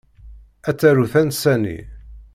Ad taru tansa-nni.